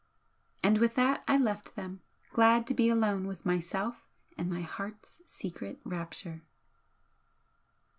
And with that I left them, glad to be alone with myself and my heart's secret rapture.